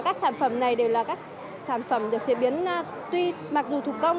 các sản phẩm này đều là các sản phẩm được chế biến tuy mặc dù thủ công